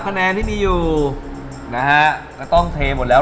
คะแนนที่มีอยู่นะฮะก็ต้องเทหมดแล้ว